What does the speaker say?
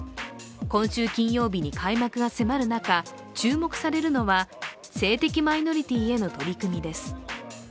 今週金曜日に開幕が迫る中、注目されるのは性的マイノリティーへの取り組みです。